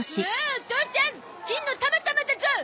お父ちゃん金のタマタマだゾ！